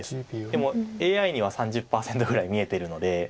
でもＡＩには３０％ぐらい見えてるので。